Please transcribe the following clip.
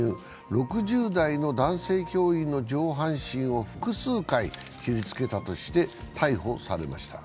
６０代の男性教員の上半身を複数回切りつけたとして逮捕されました。